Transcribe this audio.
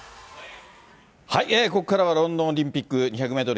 ここからは、ロンドンオリンピック２００メートル